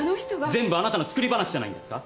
全部あなたの作り話じゃないんですか？